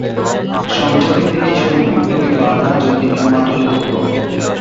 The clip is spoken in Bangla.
সম্পর্কে তিনি শহীদ বিপ্লবী বাঘা যতীন এর মাতুলপুত্র।